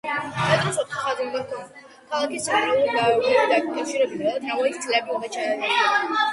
მეტროს ოთხი ხაზი უნდა ჰქონოდა, ქალაქის ცენტრი გარეუბნებთან დაეკავშირებინა და ტრამვაის ქსელები უნდა ჩაენაცვლებინა.